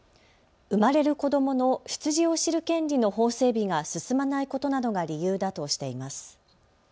生まれる子どもの出自を知る権利の法整備が進まないことなどが理由だとしています。